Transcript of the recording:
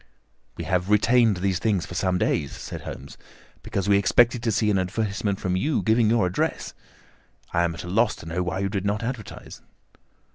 "We have retained these things for some days," said Holmes, "because we expected to see an advertisement from you giving your address. I am at a loss to know now why you did not advertise."